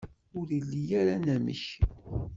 Ur ili ara anamek.